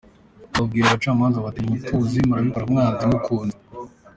Babwira abacamanza bati : nti mutuzi, murabikora mwanze mukunze.